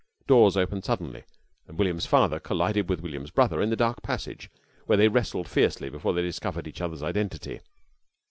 Doors opened suddenly and William's father collided with William's brother in the dark passage, where they wrestled fiercely before they discovered each other's identity.